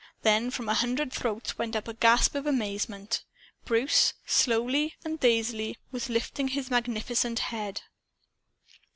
Then from a hundred throats went up a gasp of amazement. Bruce, slowly and dazedly, was lifting his magnificent head!